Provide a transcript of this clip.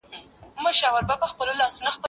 زه اوبه پاکې کړې دي!.